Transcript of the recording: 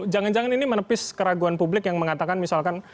jangan jangan ini menepis keraguan publik yang mengatakan misalkan